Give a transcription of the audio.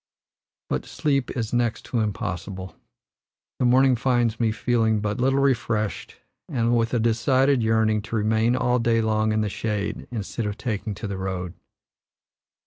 But sleep is next to impossible; the morning finds me feeling but little refreshed and with a decided yearning to remain all day long in the shade instead of taking to the road.